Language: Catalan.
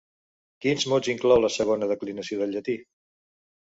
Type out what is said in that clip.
Quins mots inclou la segona declinació del llatí?